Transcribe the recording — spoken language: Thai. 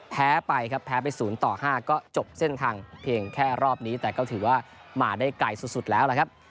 แพ้ไปครับแพ้ไป๐ต่อ๕ก็จบเส้นทางเพียงแค่รอบนี้แต่ก็ถือว่ามาได้ไกลสุดแล้วล่ะครับ